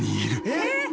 「えっ！」